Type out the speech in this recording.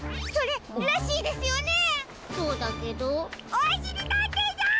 おしりたんていさん！